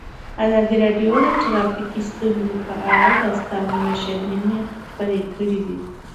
ازادي راډیو د ټرافیکي ستونزې په اړه د استادانو شننې خپرې کړي.